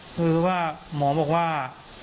ครับคือว่าหมอบอกว่า